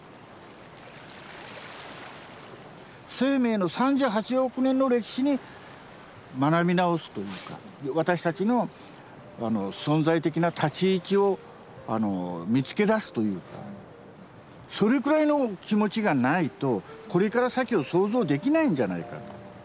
生命の３８億年の歴史に学び直すというか私たちの存在的な立ち位置を見つけ出すというそれくらいの気持ちがないとこれから先を想像できないんじゃないかと。